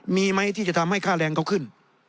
มีไหมที่จะทำให้ค่าแรงเขาขึ้น